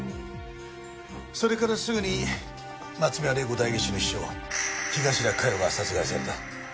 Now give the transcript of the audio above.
それからすぐに松宮玲子代議士の秘書東田加代が殺害された。